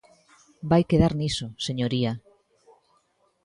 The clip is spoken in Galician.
Vai quedar niso, señoría.